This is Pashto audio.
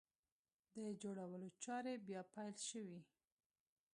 د جوړولو چارې بیا پیل شوې!